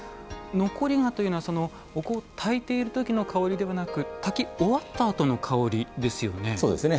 残り香というのはお香をたいているときの香りではなくたき終わったあとの香りですよね。